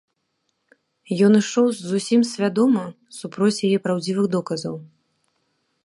Ён ішоў зусім свядома супроць яе праўдзівых доказаў.